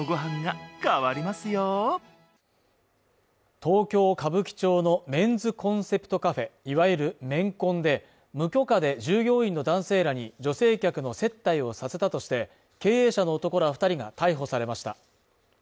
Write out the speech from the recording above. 東京・歌舞伎町のメンズコンセプトカフェ、いわゆるメンコンで、無許可で従業員の男性らに、女性客の接待をさせたとして、経営者の男ら２人が逮捕されました。